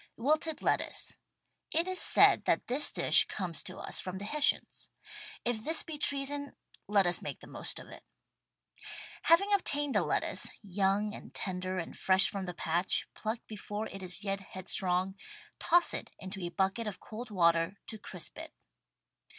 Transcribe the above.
Wilted Lettuce: — It is said that this dish comes to us from the Hessians. If this be treason let us make the most of it. Having obtained the lettuce, young and tender and fresh from the patch, plucked before it is yet headstrong, toss it into a bucket of cold water to crisp it.